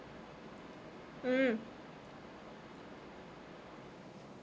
うん！